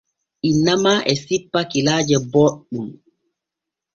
Inna ma e sippa kilaaje booɗɗum.